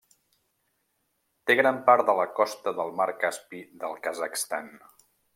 Té gran part de la costa del Mar Caspi del Kazakhstan.